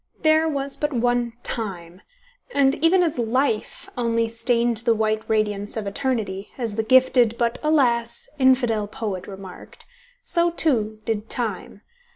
There was but one Time, and even as Life only stained the white radiance of eternity, as the gifted but, alas! infidel poet remarked, so, too, did Time.